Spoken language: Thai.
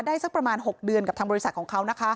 สักประมาณ๖เดือนกับทางบริษัทของเขานะคะ